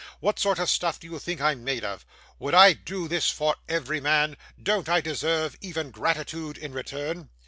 What sort of stuff do you think I'm made of? Would I do this for every man? Don't I deserve even gratitude in return?